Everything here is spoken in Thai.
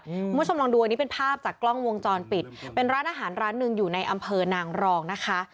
คุณผู้ชมลองดูอันนี้เป็นภาพจากกล้องวงจรปิดเป็นร้านอาหารร้านหนึ่งอยู่ในอำเภอนางรองนะคะ